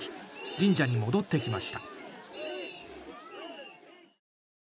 神社に戻ってきました。